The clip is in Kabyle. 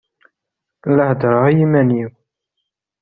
La heddṛeɣ i yiman-iw.